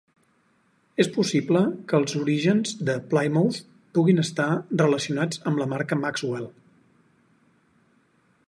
És possible que els orígens de Plymouth puguin estar relacionats amb la marca Maxwell.